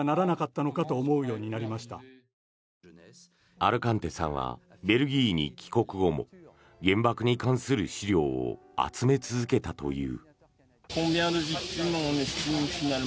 アルカンテさんはベルギーに帰国後も原爆に関する資料を集め続けたという。